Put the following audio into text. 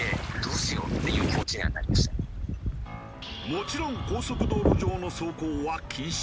もちろん高速道路上の走行は禁止。